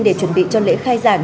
để chuẩn bị cho lễ khai giảng